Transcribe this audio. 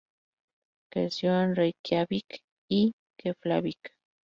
Creció en Reikiavik y Keflavík.